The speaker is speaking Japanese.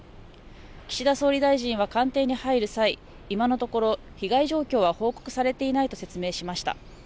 岸田総理大臣は官邸に入る際、今のところ被害状況は報告されていないと説明しました。